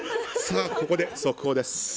ここで速報です。